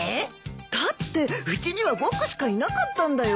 だってうちには僕しかいなかったんだよ。